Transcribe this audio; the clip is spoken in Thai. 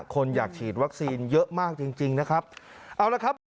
คนอยากฉีดวัคซีนเยอะมากจริงจริงนะครับเอาละครับ